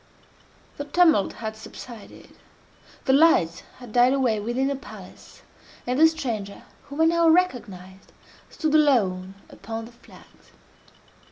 The tumult had subsided, the lights had died away within the palace, and the stranger, whom I now recognized, stood alone upon the flags.